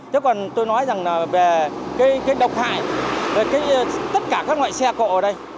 thế còn tôi nói về độc thải tất cả các loại xe cộ ở đây